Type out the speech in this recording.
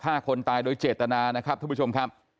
ฆ่าคนตายด้วยเจตนานะครับ